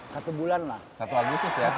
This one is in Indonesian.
satu bulan lah